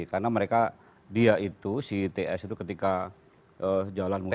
karena mereka dia itu si ts itu ketika jalan mutar